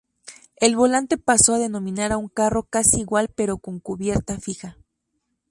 El volante pasó a denominar a un carro casi igual pero con cubierta fija.